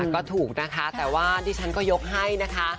ก็ถูกนะคะแต่ว่าดิฉันก็ยกให้นะคะ